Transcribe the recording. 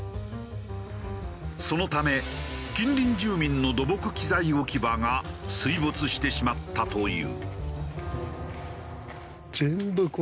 そのため近隣住民の土木機材置き場が水没してしまったという。